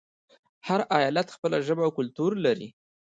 هر ایالت خپله ژبه او کلتور لري.